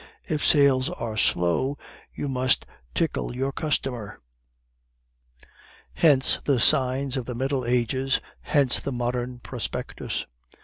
If sales are slow, you must tickle your customer; hence the signs of the Middle Ages, hence the modern prospectus.